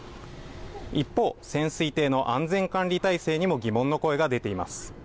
一方、潜水艇の安全管理体制にも疑問の声が出ています。